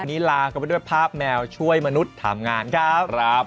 อันนี้ลากันไปด้วยภาพแมวช่วยมนุษย์ทำงานครับ